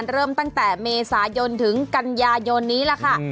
เริ่มตั้งแต่เมษายนถึงกันยายนนี้ล่ะค่ะ